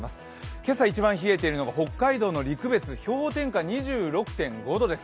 今朝一番冷えているのが北海道の陸別氷点下２６．５度です。